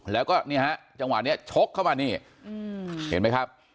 แล้วก็นี่ฮะจังหวะนี้ชกเข้ามานี่เห็นไหมครับ